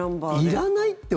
いらないって。